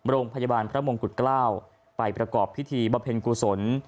โรงพยาบาลพระมงกุฎเกล้าไปประกอบพิธีบำเพ็ญกุศล